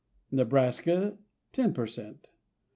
Nebraska 10 per cent.